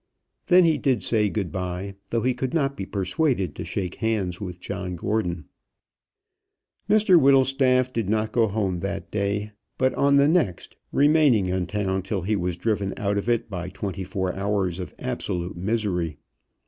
Then he did say good bye, though he could not be persuaded to shake hands with John Gordon. Mr Whittlestaff did not go home that day, but on the next, remaining in town till he was driven out of it by twenty four hours of absolute misery.